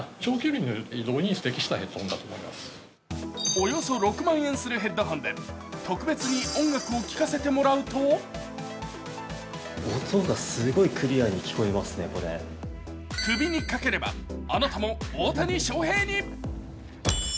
およそ６万円するヘッドホンで特別に音楽を聴かせてもらうと首にかければあなたも大谷翔平に。